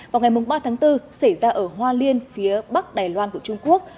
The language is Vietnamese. vào ngày ba tháng bốn xảy ra ở hoa liên phía bắc đài loan của trung quốc